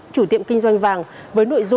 chủ tiệm kinh doanh vàng với nội dung cần văn